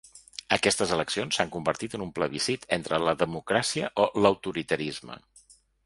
Aquestes eleccions s’han convertit en un plebiscit entre la democràcia o l’autoritarisme.